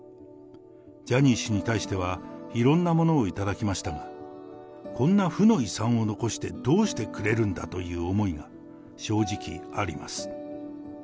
ジャニー氏に対しては、いろんなものを頂きましたが、こんな負の遺産を残してどうしてくれるんだという思いが正直あります。